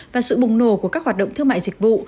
và sự bùng nổ của các hoạt động thương mại dịch vụ